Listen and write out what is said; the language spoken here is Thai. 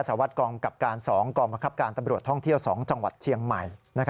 สารวัตรกองกับการ๒กองบังคับการตำรวจท่องเที่ยว๒จังหวัดเชียงใหม่